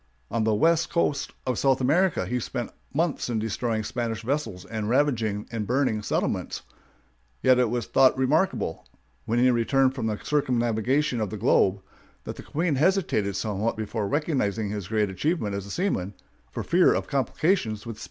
On the west coast of South America he spent months in destroying Spanish vessels and ravaging and burning settlements; yet it was thought remarkable, when he returned from his circumnavigation of the globe, that the Queen hesitated somewhat before recognizing his great achievements as a seaman, for fear of complications with Spain!